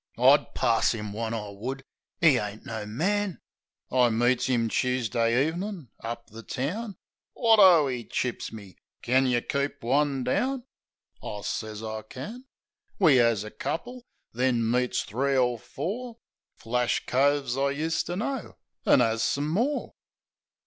I'd pass 'im one, I would! 'E ain't no man!) I meets 'im Choosdee ev'nin' up the town. "Wot O," 'e chips me. "Kin yeh keep one down?" I sez I can. We 'as a couple; then meets three er four Flash coves I useter know, an' 'as some more.